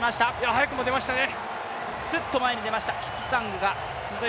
早くも出ましたね。